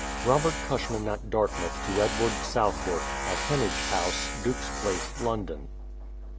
Robert Cushman at Dartmouth to Edward Southworth, at He.anage House, Duke's Place, London.